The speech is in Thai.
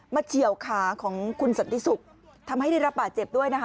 เฉียวขาของคุณสันติศุกร์ทำให้ได้รับบาดเจ็บด้วยนะคะ